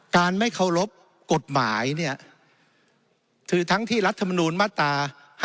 ไม่เคารพกฎหมายเนี่ยคือทั้งที่รัฐมนูลมาตรา๕๗